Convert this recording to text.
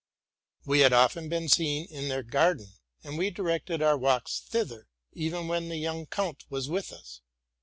We had often been seen in their garden; and we directed our walks thither, even when the young count was with us.